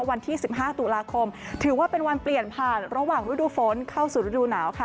วันที่๑๕ตุลาคมถือว่าเป็นวันเปลี่ยนผ่านระหว่างฤดูฝนเข้าสู่ฤดูหนาวค่ะ